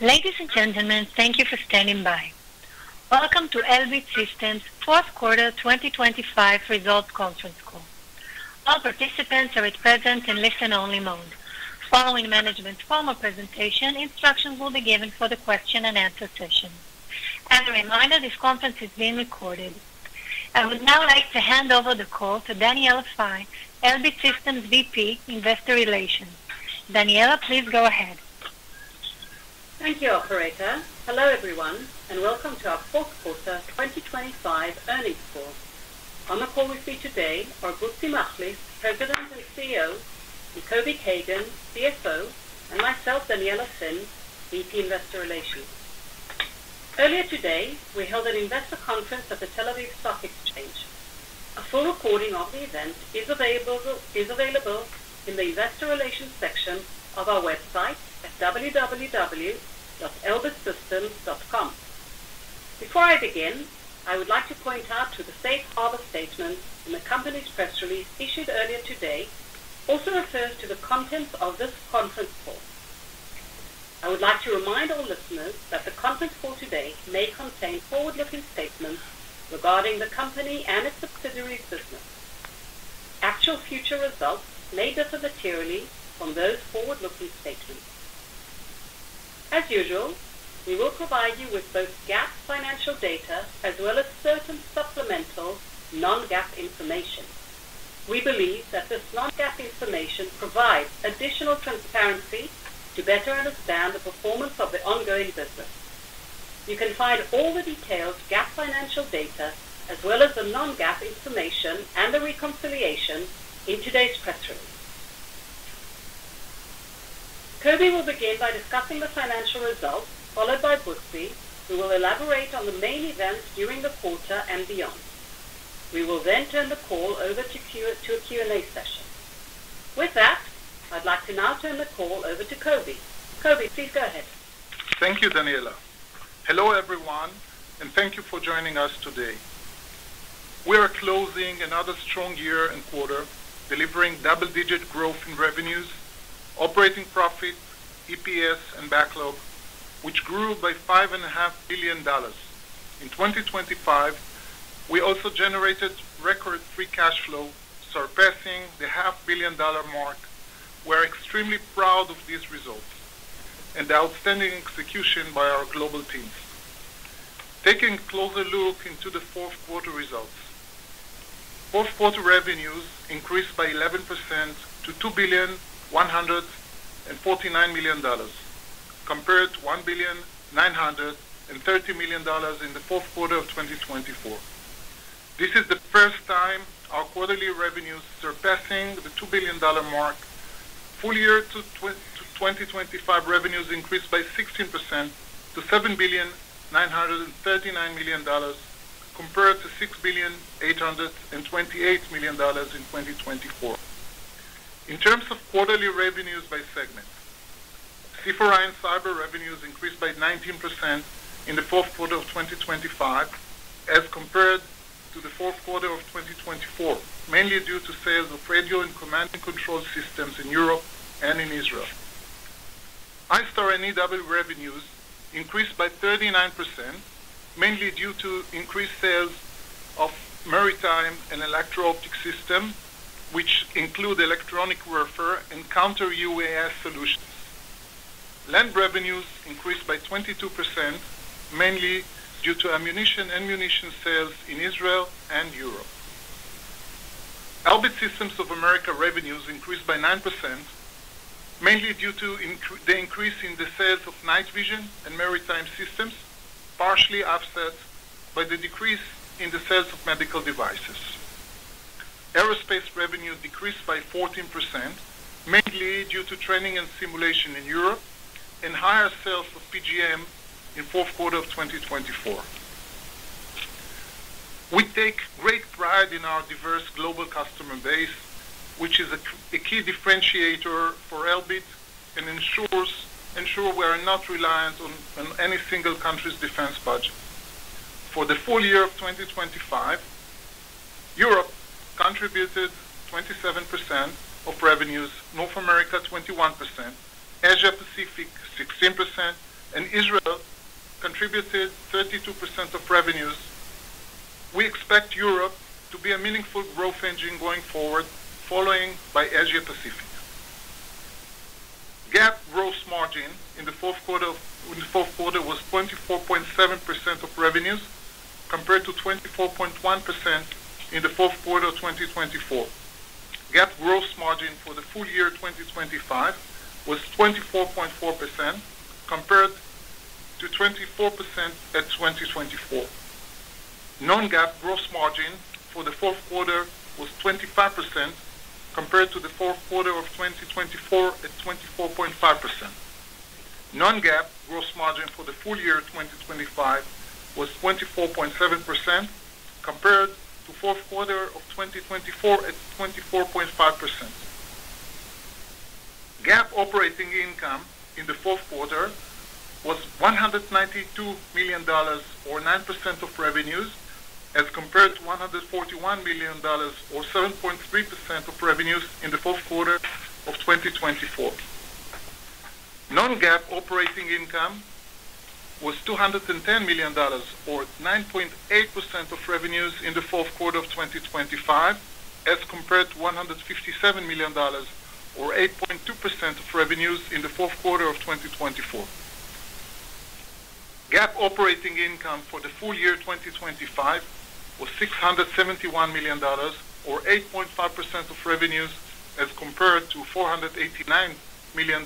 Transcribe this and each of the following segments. Ladies and gentlemen, thank you for standing by. Welcome to Elbit Systems' Q4 2025 results conference call. All participants are at present in listen-only mode. Following management's formal presentation, instructions will be given for the question-and-answer session. As a reminder, this conference is being recorded. I would now like to hand over the call to Daniella Finn, VP, Investor Relations, Elbit Systems. Daniella, please go ahead. Thank you, operator. Hello, everyone, and welcome to our Q4 2025 earnings call. On the call with me today are Bezhalel Machlis, President and CEO, Kobi Kagan, CFO, and myself, Daniella Finn, VP, Investor Relations. Earlier today, we held an investor conference at the Tel Aviv Stock Exchange. A full recording of the event is available in the investor relations section of our website at elbitsystems.com. Before I begin, I would like to point out to the safe harbor statement in the company's press release issued earlier today also refers to the contents of this conference call. I would like to remind all listeners that the conference call today may contain forward-looking statements regarding the company and its subsidiaries' business. Actual future results may differ materially from those forward-looking statements. As usual, we will provide you with both GAAP financial data as well as certain supplemental non-GAAP information. We believe that this non-GAAP information provides additional transparency to better understand the performance of the ongoing business. You can find all the detailed GAAP financial data as well as the non-GAAP information and the reconciliation in today's press release. Kobi will begin by discussing the financial results, followed by Bezhalel, who will elaborate on the main events during the quarter and beyond. We will then turn the call over to a Q&A session. With that, I'd like to now turn the call over to Kobi. Kobi, please go ahead. Thank you, Daniella. Hello, everyone, and thank you for joining us today. We are closing another strong year and quarter, delivering double-digit growth in revenues, operating profit, EPS, and backlog, which grew by $5.5 billion. In 2025, we also generated record free cash flow, surpassing the $0.5 billion-mark. We're extremely proud of these results and the outstanding execution by our global teams. Taking a closer look into the Q4 results. Q4 revenues increased by 11% to $2.149 billion, compared to $1.93 billion in the Q4 of 2024. This is the first time our quarterly revenues surpassing the $2 billion-dollar mark. Full year 2025 revenues increased by 16% to $7.939 billion, compared to $6.828 billion in 2024. In terms of quarterly revenues by segment, C4I & Cyber revenues increased by 19% in the Q4 of 2025 as compared to the Q4 of 2024, mainly due to sales of radio and command and control systems in Europe and in Israel. ISTAR & EW revenues increased by 39%, mainly due to increased sales of maritime and electro-optic system, which include electronic warfare and counter UAS solutions. Land revenues increased by 22%, mainly due to ammunition and munition sales in Israel and Europe. Elbit Systems of America revenues increased by 9%, mainly due to the increase in the sales of night vision and maritime systems, partially offset by the decrease in the sales of medical devices. Aerospace revenues decreased by 14%, mainly due to training and simulation in Europe and higher sales of PGM in Q4 of 2024. We take great pride in our diverse global customer base, which is a key differentiator for Elbit and ensures we are not reliant on any single country's defense budget. For the full year of 2025, Europe contributed 27% of revenues, North America 21%, Asia Pacific 16%, and Israel contributed 32% of revenues. We expect Europe to be a meaningful growth engine going forward, followed by Asia Pacific. GAAP gross margin in the Q4 was 24.7% of revenues compared to 24.1% in the Q4 of 2024. GAAP gross margin for the full year 2025 was 24.4% compared to 24% in 2024. Non-GAAP gross margin for the Q4 was 25% compared to the Q4 of 2024 at 24.5%. Non-GAAP gross margin for the full year 2025 was 24.7% compared to Q4 of 2024 at 24.5%. GAAP operating income in the Q4 was $192 million or 9% of revenues. As compared to $141 million or 7.3% of revenues in the Q4 of 2024. Non-GAAP operating income was $210 million or 9.8% of revenues in the Q4 of 2025, as compared to $157 million or 8.2% of revenues in the Q4 of 2024. GAAP operating income for the full year 2025 was $671 million or 8.5% of revenues, as compared to $489 million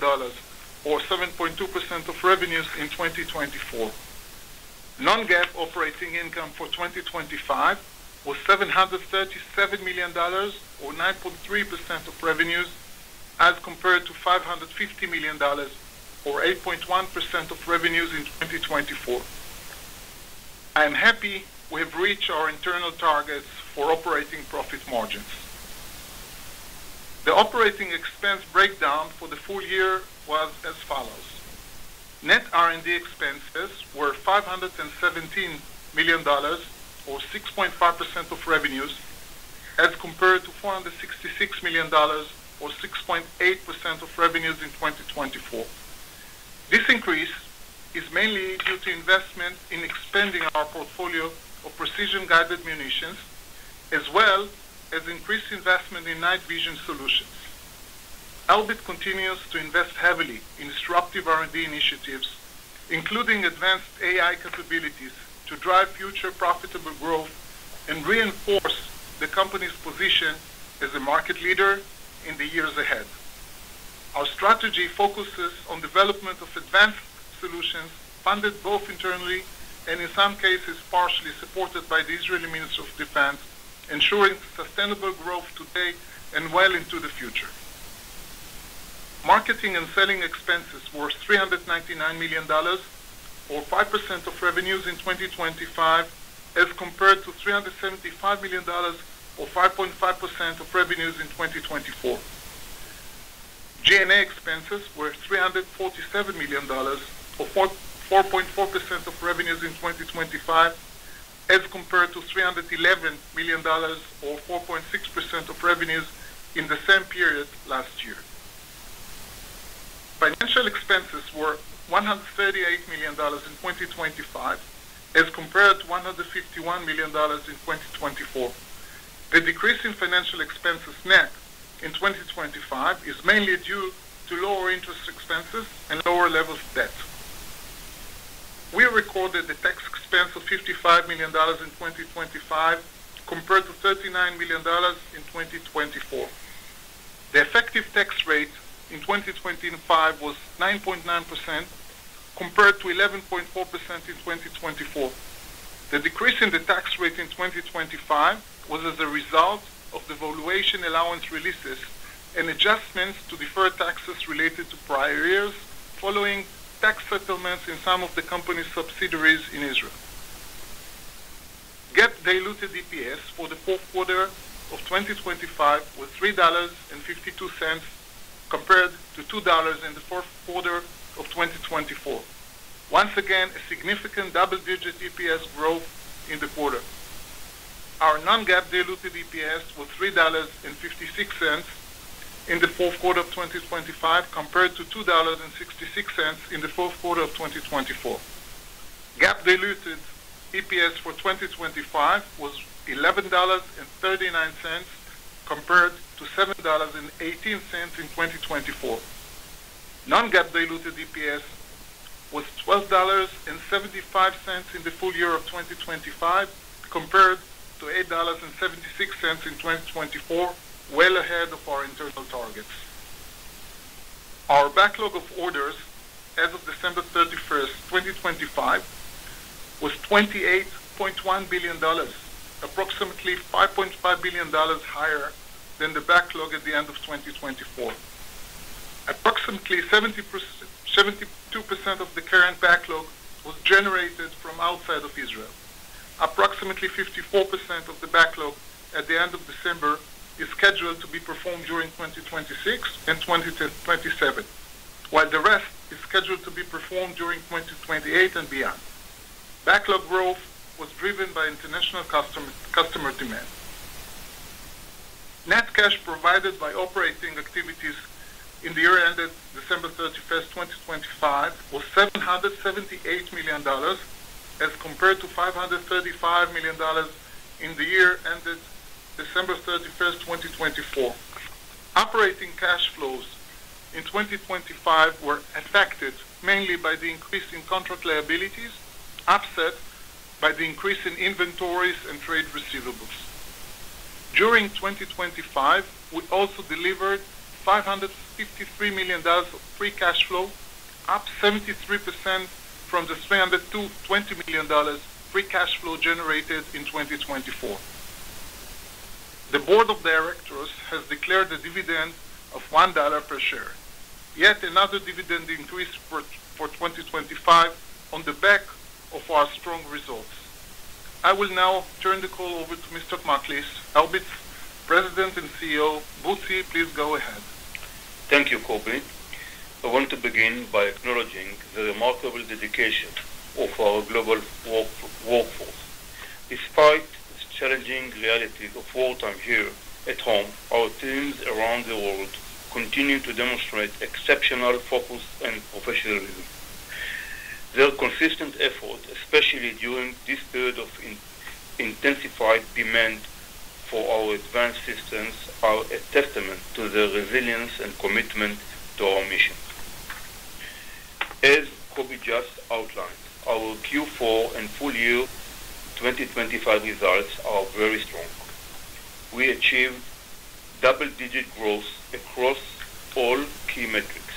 or 7.2% of revenues in 2024. Non-GAAP operating income for 2025 was $737 million or 9.3% of revenues, as compared to $550 million or 8.1% of revenues in 2024. I am happy we have reached our internal targets for operating profit margins. The operating expense breakdown for the full year was as follows. Net R&D expenses were $517 million or 6.5% of revenues, as compared to $466 million or 6.8% of revenues in 2024. This increase is mainly due to investment in expanding our portfolio of precision-guided munitions, as well as increased investment in night vision solutions. Elbit continues to invest heavily in disruptive R&D initiatives, including advanced AI capabilities, to drive future profitable growth and reinforce the company's position as a market leader in the years ahead. Our strategy focuses on development of advanced solutions funded both internally and in some cases, partially supported by the Israeli Ministry of Defense, ensuring sustainable growth today and well into the future. Marketing and selling expenses were $399 million or 5% of revenues in 2025, as compared to $375 million or 5.5% of revenues in 2024. G&A expenses were $347 million or 4.4% of revenues in 2025, as compared to $311 million or 4.6% of revenues in the same period last year. Financial expenses were $138 million in 2025 as compared to $151 million in 2024. The decrease in financial expenses net in 2025 is mainly due to lower interest expenses and lower levels of dept. We recorded a tax expense of $55 million in 2025, compared to $39 million in 2024. The effective tax rate in 2025 was 9.9%, compared to 11.4% in 2024. The decrease in the tax rate in 2025 was as a result of the valuation allowance releases and adjustments to deferred taxes related to prior years following tax settlements in some of the company's subsidiaries in Israel. GAAP diluted EPS for the Q4 of 2025 was $3.52, compared to $2 in the Q4 of 2024. Once again, a significant double-digit EPS growth in the quarter. Our non-GAAP diluted EPS was $3.56 in the Q4 of 2025, compared to $2.66 in the Q4 of 2024. GAAP diluted EPS for 2025 was $11.39 compared to $7.18 in 2024. Non-GAAP diluted EPS was $12.75 in the full year of 2025, compared to $8.76 in 2024, well ahead of our internal targets. Our backlog of orders as of December 31, 2025, was $28.1 billion, approximately $5.5 billion higher than the backlog at the end of 2024. Approximately 72% of the current backlog was generated from outside of Israel. Approximately 54% of the backlog at the end of December is scheduled to be performed during 2026 and 2027, while the rest is scheduled to be performed during 2028 and beyond. Backlog growth was driven by international customer demand. Net cash provided by operating activities in the year ended December 31, 2025, was $778 million, as compared to $535 million in the year ended December 31, 2024. Operating cash flows in 2025 were affected mainly by the increase in contract liabilities, offset by the increase in inventories and trade receivables. During 2025, we also delivered $553 million of free cash flow, up 73% from the $320 million free cash flow generated in 2024. The board of directors has declared a dividend of $1 per share. Yet another dividend increase for 2025 on the back of our strong results. I will now turn the call over to Mr. Machlis, Elbit's President and CEO. Bezhalel, please go ahead. Thank you, Kobi. I want to begin by acknowledging the remarkable dedication of our global workforce. Despite the challenging realities of wartime here at home, our teams around the world continue to demonstrate exceptional focus and professionalism. Their consistent effort, especially during this period of intensified demand for our advanced systems, are a testament to their resilience and commitment to our mission. As Kobi just outlined, our Q4 and full year 2025 results are very strong. We achieved double-digit growth across all key metrics,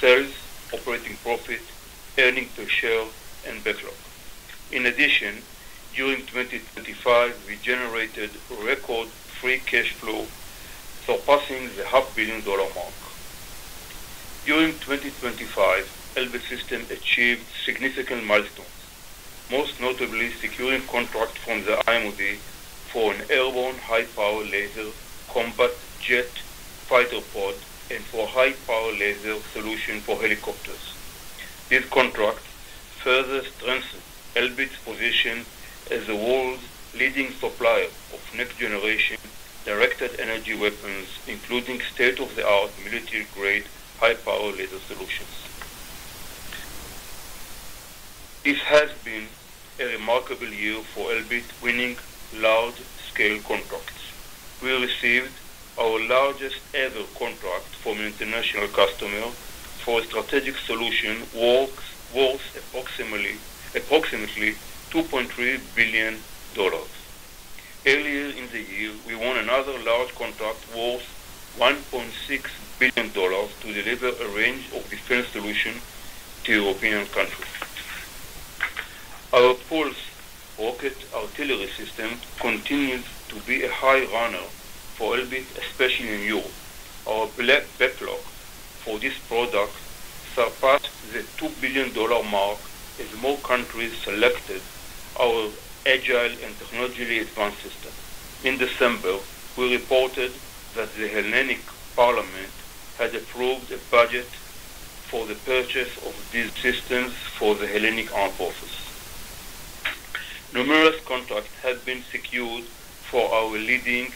sales, operating profit, earnings per share, and backlog. In addition, during 2025, we generated record free cash flow, surpassing the $0.5 billion dollar mark. During 2025, Elbit Systems achieved significant milestones, most notably securing contracts from the IMOD for an airborne High-Power Laser combat jet fighter pod and for High-Power Laser solution for helicopters. These contracts further strengthen Elbit's position as the world's leading supplier of next-generation Directed Energy Weapons, including state-of-the-art military-grade High-Power Laser solutions. It has been a remarkable year for Elbit winning large-scale contracts. We received our largest ever contract from an international customer for strategic solutions worth approximately $2.3 billion. Earlier in the year, we won another large contract worth $1.6 billion to deliver a range of defence solutions to European countries. Our PULS rocket artillery system continues to be a high runner for Elbit, especially in Europe. Our backlog for this product surpassed the $2 billion mark as more countries selected our agile and technologically advanced system. In December, we reported that the Hellenic Parliament had approved a budget for the purchase of these systems for the Hellenic Armed Forces. Numerous contracts have been secured for our leading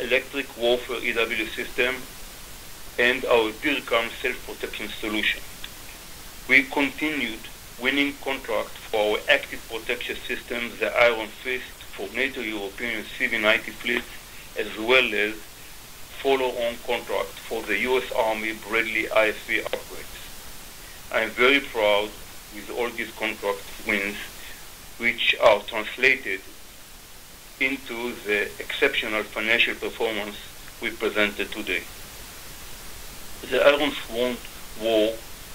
electronic warfare EW system and our DIRCM self-protection solution. We continued winning contracts for our active protection system, the Iron Fist, for NATO European CV90 fleet, as well as follow-on contract for the US Army Bradley ICV upgrades. I'm very proud with all these contract wins, which are translated into the exceptional financial performance we presented today. The Iron Swords War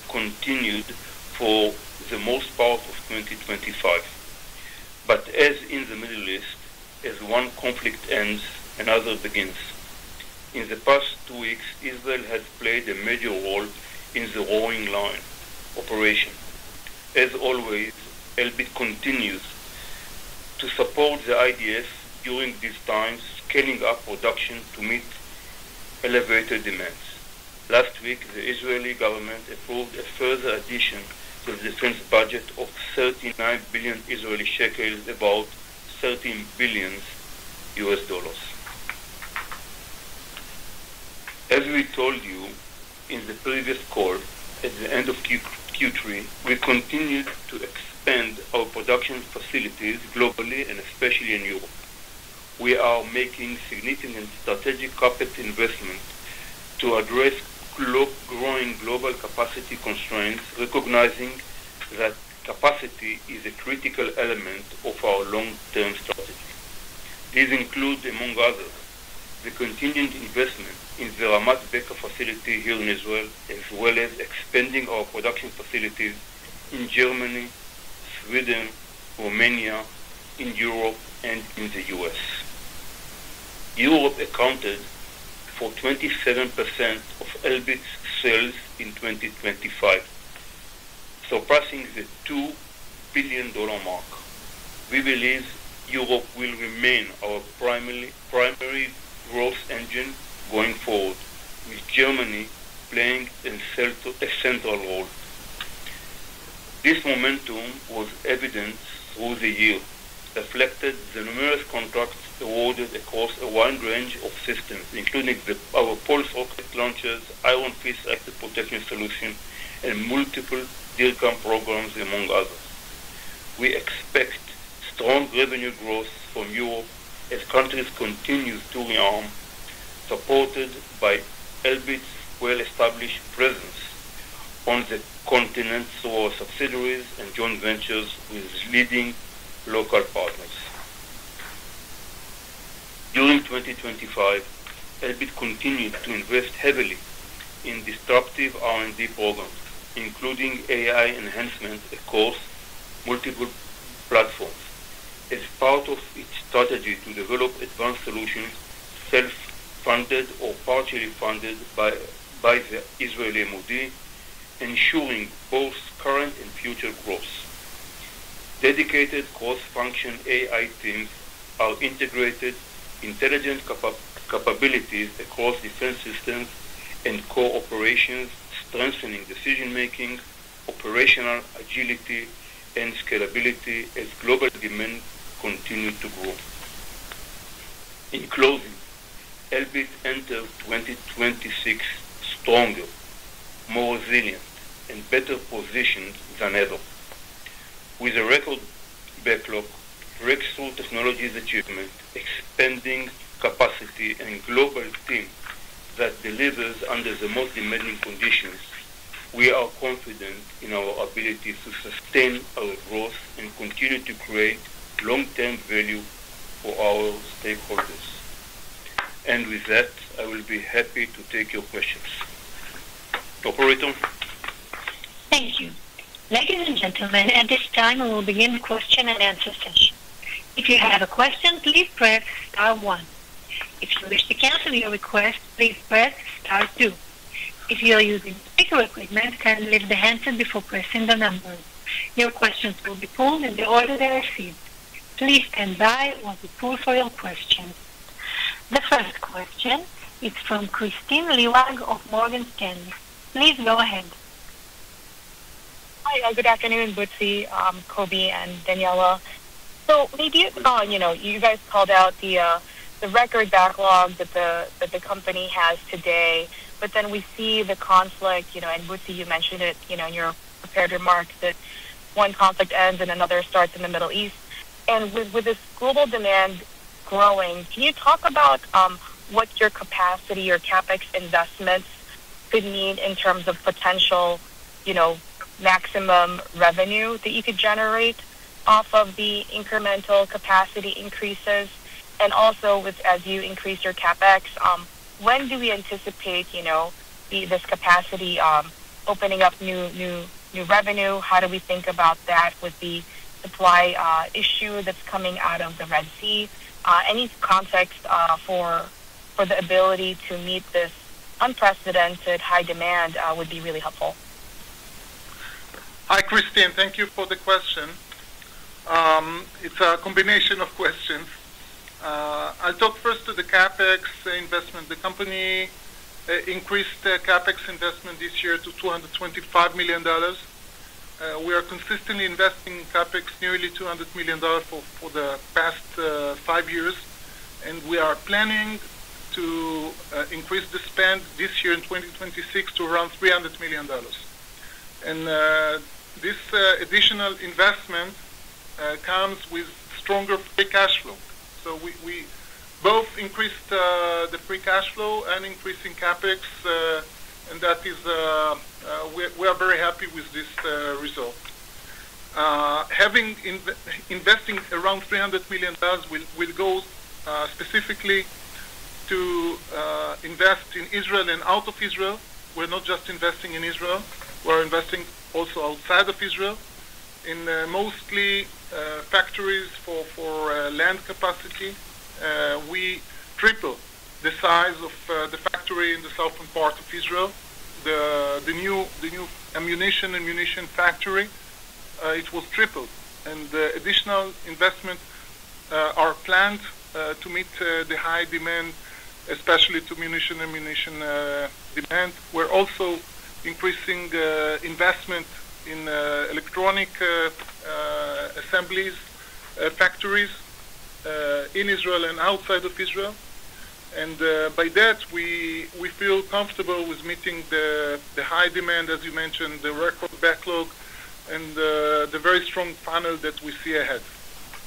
continued for the most part of 2025. As in the Middle East, as one conflict ends, another begins. In the past two weeks, Israel has played a major role in the Drawing Line operation. As always, Elbit continues to support the IDF during these times, scaling up production to meet elevated demands. Last week, the Israeli government approved a further addition to the defense budget of 39 billion Israeli shekels, about $13 billion. As we told you in the previous call at the end of Q3, we continued to expand our production facilities globally and especially in Europe. We are making significant strategic CapEx investments to address growing global capacity constraints, recognizing that capacity is a critical element of our long-term strategy. These include, among others, the continued investment in the Ramat Beka facility here in Israel, as well as expanding our production facilities in Germany, Sweden, Romania, in Europe, and in the U.S.. Europe accounted for 27% of Elbit's sales in 2025, surpassing the $2 billion mark. We believe Europe will remain our primary growth engine going forward, with Germany playing a central role. This momentum was evident through the year, reflecting the numerous contracts awarded across a wide range of systems, including our PULS rocket launchers, Iron Fist active protection solution, and multiple DIRCM programs, among others. We expect strong revenue growth from Europe as countries continue to re-arm, supported by Elbit's well-established presence on the continent through our subsidiaries and joint ventures with leading local partners. During 2025, Elbit continued to invest heavily in disruptive R&D programs, including AI enhancement across multiple platforms as part of its strategy to develop advanced solutions, self-funded or partially funded by the Israeli MOD, ensuring both current and future growth. Dedicated cross-function AI teams are integrating intelligence capabilities across defense systems and C4I operations, strengthening decision-making, operational agility, and scalability as global demand continues to grow. In closing, Elbit entered 2026 stronger, more resilient, and better positioned than ever. With a record backlog, breakthrough technologies achievement, expanding capacity, and global team that delivers under the most demanding conditions, we are confident in our ability to sustain our growth and continue to create long-term value for our stakeholders. With that, I will be happy to take your questions. Operator. Thank you. Ladies and gentlemen, at this time, we will begin the question and answer session. If you have a question, please press star one. If you wish to cancel your request, please press star two. If you are using speaker equipment, kindly lift the handset before pressing the numbers. Your questions will be pulled in the order they are received. Please stand by while we pull for your question. The first question is from Kristine Liwag of Morgan Stanley. Please go ahead. Hi, all. Good afternoon, Bezhalel, Kobi, and Daniella. Maybe you know, you guys called out the record backlog that the company has today, but then we see the conflict, you know, and Bezhalel, you mentioned it, you know, in your prepared remarks that one conflict ends and another starts in the Middle East. With this global demand growing, can you talk about what your capacity or CapEx investments could mean in terms of potential, you know, maximum revenue that you could generate off of the incremental capacity increases? Also, as you increase your CapEx, when do we anticipate, you know, this capacity opening up new revenue? How do we think about that with the supply issue that's coming out of the Red Sea? Any context for the ability to meet this unprecedented high demand would be really helpful? Hi, Kristine. Thank you for the question. It's a combination of questions. I'll talk first to the CapEx investment. The company increased their CapEx investment this year to $225 million. We are consistently investing CapEx nearly $200 million for the past five years, and we are planning to increase the spend this year in 2026 to around $300 million. This additional investment comes with stronger free cash flow. We both increased the free cash flow and increasing CapEx, and that is, we are very happy with this result. Having investing around $300 million will go specifically to invest in Israel and out of Israel. We're not just investing in Israel. We're investing also outside of Israel in mostly factories for land capacity. We tripled the size of the factory in the southern part of Israel. The new ammunition factory it was tripled. The additional investments are planned to meet the high demand, especially to munitions ammunition demand. We're also increasing investment in electronic assemblies factories in Israel and outside of Israel. By that we feel comfortable with meeting the high demand, as you mentioned, the record backlog and the very strong funnel that we see ahead.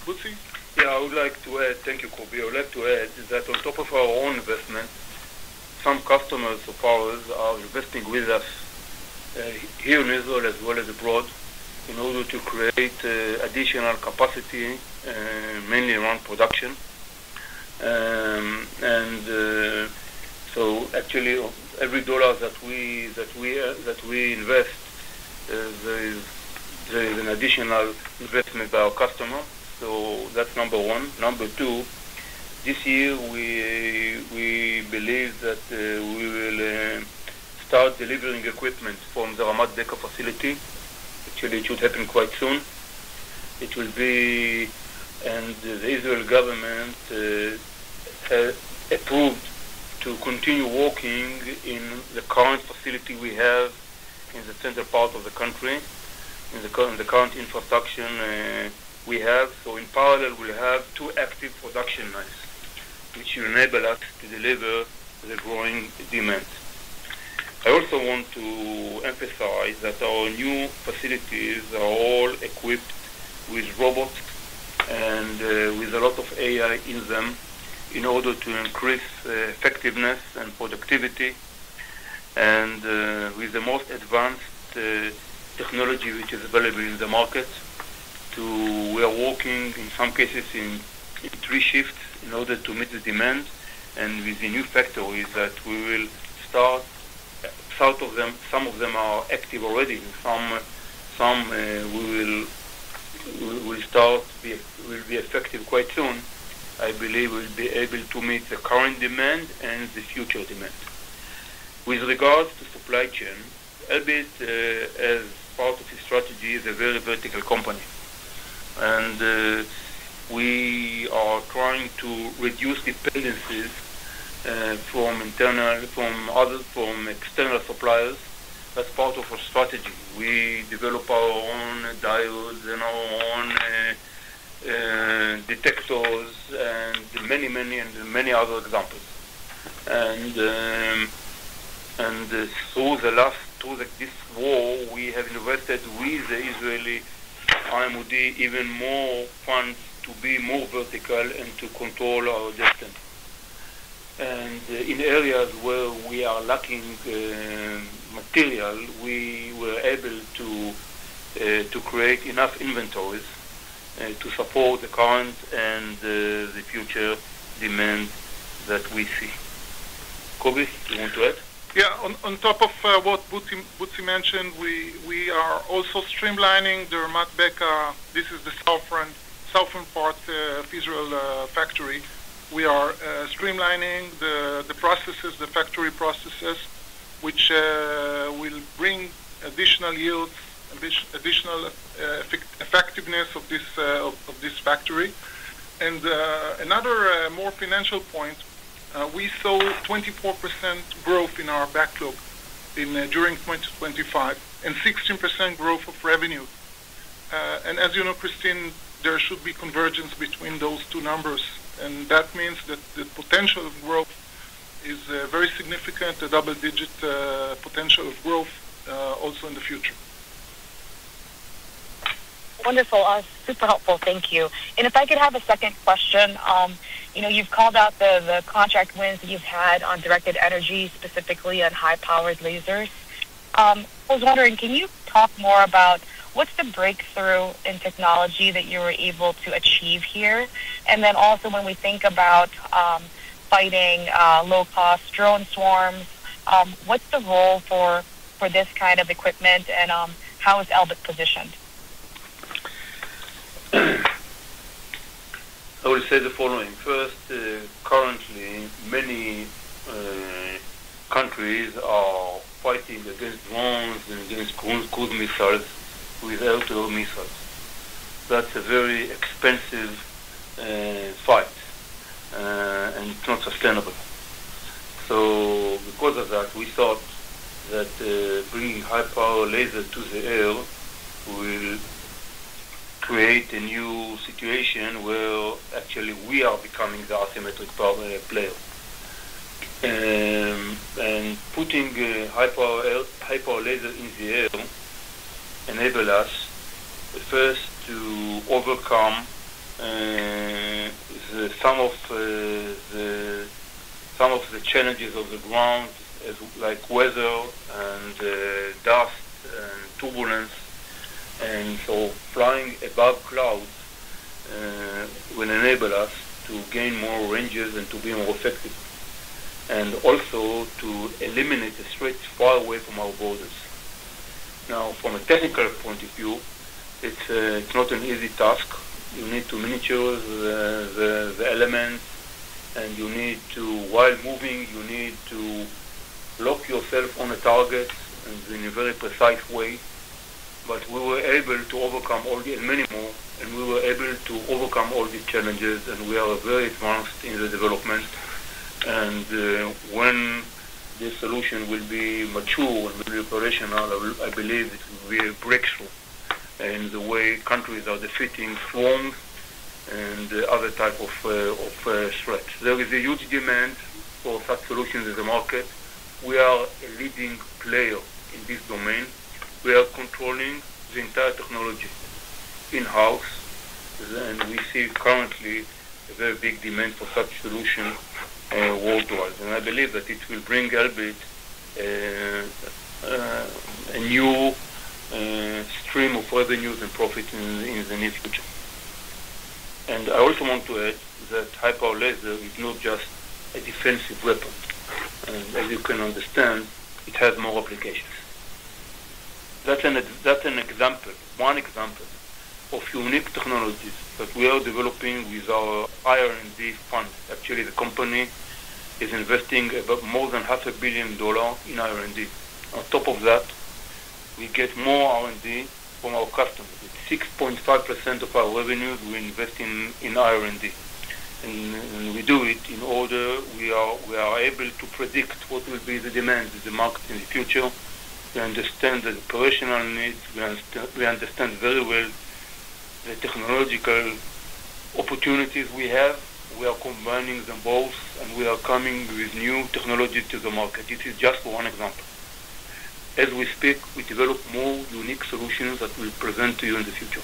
Bezhalel? Yeah. I would like to add. Thank you, Kobi. I would like to add is that on top of our own investment, some customers of ours are investing with us here in Israel as well as abroad, in order to create additional capacity mainly around production. Actually every dollar that we invest there is an additional investment by our customer. That's number one. Number two, this year we believe that we will start delivering equipment from the Ramat Beka facility. Actually, it should happen quite soon. It will be, and the Israeli government has approved to continue working in the current facility we have in the center part of the country, in the current infrastructure we have. In parallel, we'll have two active production lines, which will enable us to deliver the growing demand. I also want to emphasize that our new facilities are all equipped with robots and with a lot of AI in them in order to increase effectiveness and productivity and with the most advanced technology which is available in the market. We are working in some cases in three shifts in order to meet the demand. With the new factories that we will start, some of them are active already. Some will be effective quite soon. I believe we'll be able to meet the current demand and the future demand. With regards to supply chain, Elbit, as part of the strategy, is a very vertical company. We are trying to reduce dependencies from external suppliers. That's part of our strategy. We develop our own diodes and our own detectors and many other examples. Through this war, we have invested with the Israeli MOD even more funds to be more vertical and to control our destiny. In areas where we are lacking material, we were able to create enough inventories to support the current and the future demand that we see. Kobi, you want to add? Yeah. On top of what Bezhalel Machlis mentioned, we are also streamlining the Ramat Beka, this is the southern part of Israel factory. We are streamlining the processes, the factory processes, which will bring additional yields, additional effectiveness of this factory. Another more financial point, we saw 24% growth in our backlog during 2025 and 16% growth of revenue. As you know, Kristine, there should be convergence between those two numbers, and that means that the potential of growth is very significant, a double-digit potential of growth also in the future. Wonderful. Super helpful. Thank you. If I could have a second question. You know, you've called out the contract wins that you've had on Directed Energy, specifically on high-power lasers. I was wondering, can you talk more about what's the breakthrough in technology that you were able to achieve here? Then also when we think about fighting low-cost drone swarms, what's the role for this kind of equipment? How is Elbit positioned? I will say the following. First, currently many countries are fighting against drones and against cruise missiles with air-to-air missiles. That's a very expensive fight, and it's not sustainable. Because of that, we thought that bringing High-Power Laser to the air will create a new situation where actually we are becoming the asymmetric power player. Putting a High-Power Laser in the air enable us first to overcome some of the challenges of the ground like weather and dust and turbulence. Flying above clouds will enable us to gain more ranges and to be more effective, and also to eliminate the threats far away from our borders. Now, from a technical point of view, it's not an easy task. You need to miniaturize the elements. While moving, you need to lock yourself on a target and in a very precise way. We were able to overcome all these challenges, and we are very advanced in the development. When the solution will be mature and will be operational, I believe it will be a breakthrough in the way countries are defeating swarms and other type of threats. There is a huge demand for such solutions in the market. We are a leading player in this domain. We are controlling the entire technology in-house, and we see currently a very big demand for such solution worldwide. I believe that it will bring Elbit a new stream of revenues and profit in the near future. I also want to add that High-Power Laser is not just a defensive weapon. As you can understand, it has more applications. That's an example, one example of unique technologies that we are developing with our IR&D fund. Actually, the company is investing more than $0.5 billion dollars in R&D. On top of that, we get more R&D from our customers. It's 6.5% of our revenues we invest in R&D. When we do it, in order, we are able to predict what will be the demand of the market in the future. We understand the operational needs. We understand very well the technological opportunities we have. We are combining them both, and we are coming with new technology to the market. This is just one example. As we speak, we develop more unique solutions that we'll present to you in the future.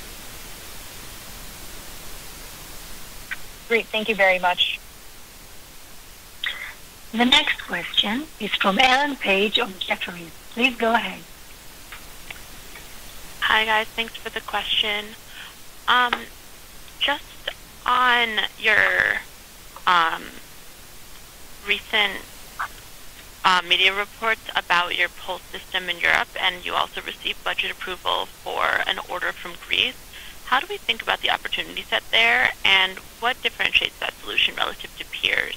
Great. Thank you very much. The next question is from Alan Page of Jefferies. Please go ahead. Hi, guys. Thanks for the question. Just on your recent media reports about your PULS system in Europe, and you also received budget approval for an order from Greece, how do we think about the opportunity set there, and what differentiates that solution relative to peers?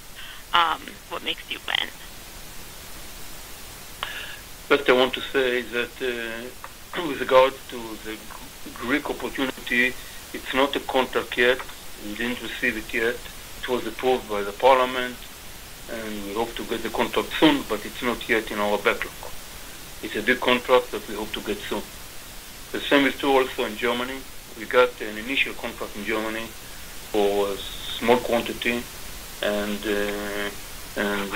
What makes you win? First, I want to say that, with regards to the Greek opportunity, it's not a contract yet. We didn't receive it yet. It was approved by the Parliament, and we hope to get the contract soon, but it's not yet in our backlog. It's a good contract that we hope to get soon. The same is true also in Germany. We got an initial contract in Germany for a small quantity and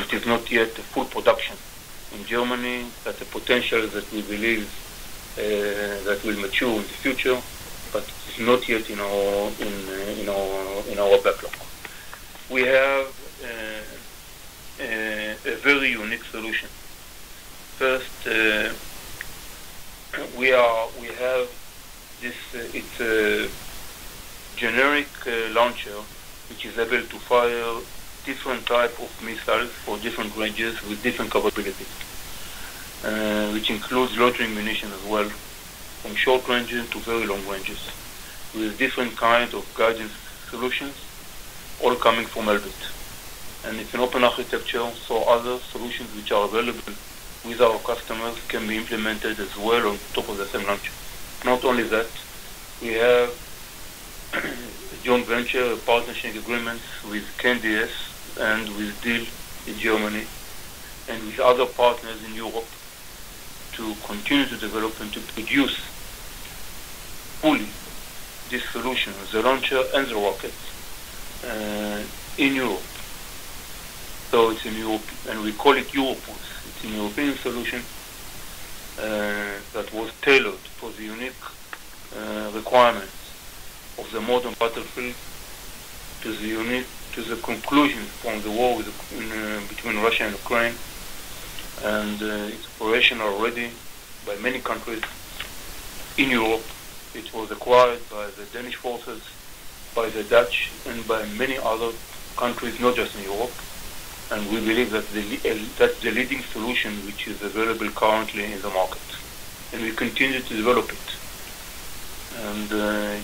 it is not yet a full production. In Germany, that's a potential that we believe, that will mature in the future, but it's not yet in our backlog. We have, a very unique solution. We have this, it's a generic launcher, which is able to fire different type of missiles for different ranges with different capabilities, which includes loitering ammunition as well, from short ranges to very long ranges, with different kinds of guidance solutions, all coming from Elbit. It's an open architecture, so other solutions which are available with our customers can be implemented as well on top of the same launcher. Not only that, we have joint venture partnership agreements with KNDS and with Diehl in Germany and with other partners in Europe to continue to develop and to produce fully this solution, the launcher and the rockets, in Europe. It's in Europe, and we call it Euro PULS. It's a European solution that was tailored for the unique requirements of the modern battlefield to the conclusion from the war between Russia and Ukraine. It's operational already by many countries in Europe. It was acquired by the Danish Defence, by the Dutch, and by many other countries, not just in Europe. We believe that's the leading solution which is available currently in the market, and we continue to develop it.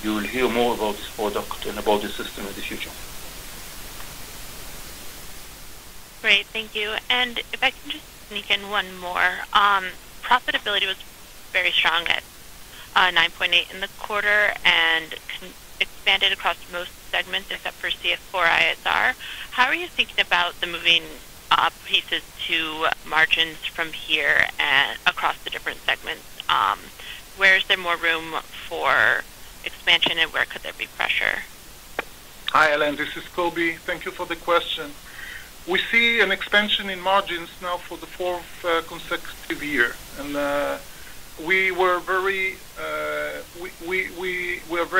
You will hear more about this product and about the system in the future. Great. Thank you. If I can just sneak in one more. Profitability was very strong at 9.8% in the quarter and expanded across most segments except for C4ISR. How are you thinking about the moving pieces to margins from here across the different segments? Where is there more room for expansion, and where could there be pressure? Hi, Alan. This is Kobi Kagan. Thank you for the question. We see an expansion in margins now for the fourth consecutive year, and we are very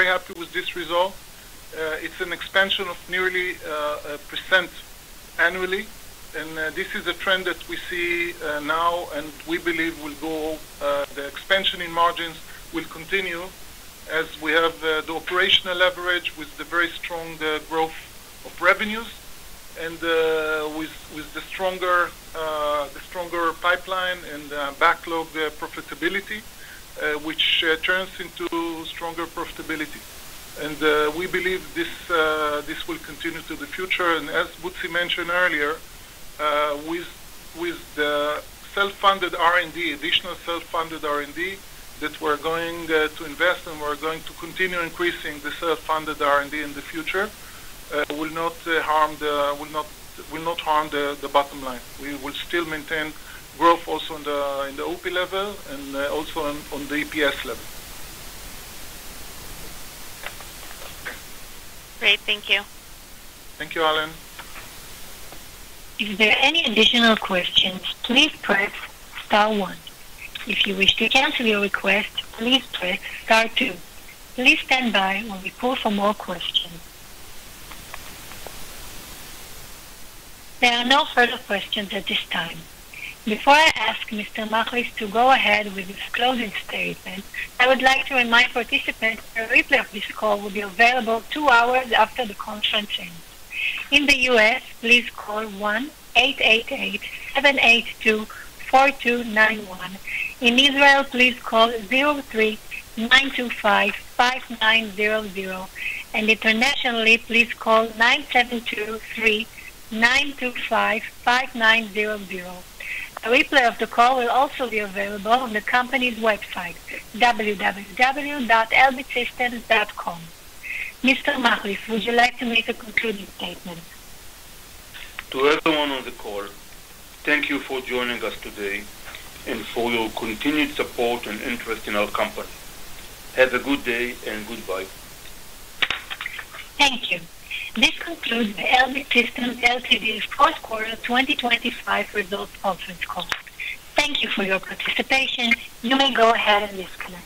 happy with this result. It's an expansion of nearly 1% annually, and this is a trend that we see now and we believe the expansion in margins will continue as we have the operational leverage with the very strong growth of revenues and with the stronger pipeline and backlog profitability, which turns into stronger profitability. We believe this will continue to the future. As Bezhalel Machlis mentioned earlier, with the self-funded R&D, additional self-funded R&D that we're going to invest and we're going to continue increasing the self-funded R&D in the future, will not harm the bottom line. We will still maintain growth also in the OP level and also on the EPS level. Great. Thank you. Thank you, Alan Page. If there are any additional questions, please press star one. If you wish to cancel your request, please press star two. Please stand by while we call for more questions. There are no further questions at this time. Before I ask Mr. Machlis to go ahead with his closing statement, I would like to remind participants a replay of this call will be available two hours after the conference ends. In the US, please call 1-888-782-4291. In Israel, please call 03-925-5900. Internationally, please call 972-3-925-5900. A replay of the call will also be available on the company's website, elbitsystems.com. Mr. Machlis, would you like to make a concluding statement? To everyone on the call, thank you for joining us today and for your continued support and interest in our company. Have a good day and goodbye. Thank you. This concludes the Elbit Systems Ltd. Q4 2025 results conference call. Thank you for your participation. You may go ahead and disconnect.